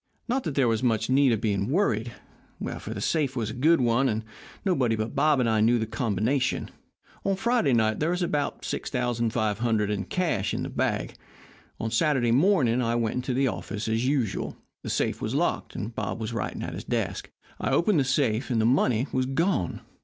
Not that there was much need of being worried, for the safe was a good one, and nobody but Bob and I knew the combination. On Friday night there was about $6,500 in cash in the bag. On Saturday morning I went to the office as usual. The safe was locked, and Bob was writing at his desk. I opened the safe, and the money was gone.